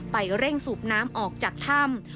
เร่งสูบน้ำออกจากถ้ำ